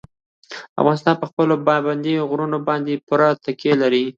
افغانستان په خپلو پابندي غرونو باندې پوره تکیه لري.